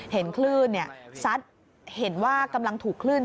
เห็นคลื่นซัดเห็นว่ากำลังถูกคลื่น